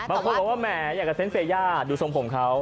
บางคนบอกว่าแหมอยากจะเซ็นเซย่าดูทรงผมเขา